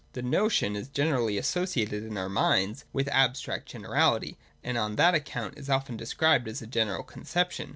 (i) The notion is generally associated in our minds with abstract generality, and on that account it is often described as a general conception.